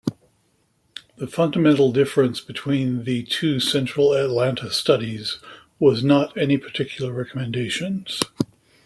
The fundamental difference between the two Central Atlanta Studies was not any particular recommendations.